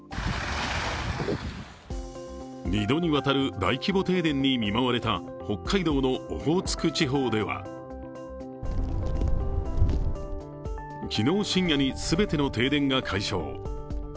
２度にわたる大規模停電に見舞われた北海道のオホーツク地方では昨日深夜に全ての停電が解消。